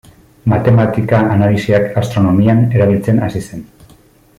Matematika-analisiak astronomian erabiltzen hasi zen.